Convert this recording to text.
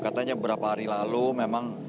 katanya beberapa hari lalu memang